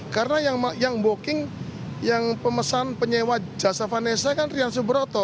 karena yang memboking yang pemesan penyewa jasa vanessa kan rian subroto